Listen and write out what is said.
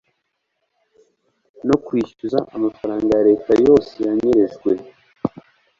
no kwishyuza amafaranga ya leta yose yanyerejwe